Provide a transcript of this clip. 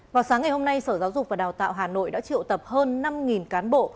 vào sáng ngày hôm nay sở giáo dục và đào tạo hà nội đã triệu tập hơn năm cán bộ